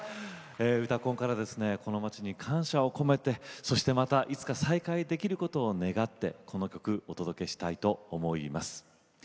「うたコン」からこの街に感謝を込めていつか再会できると願いを込めてこの曲をお届けしたいと思います。